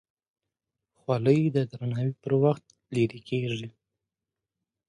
خولۍ د درناوي پر وخت لرې کېږي.